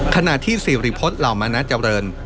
ขณะที่สิริพฤษเหล่ามนาเจริญ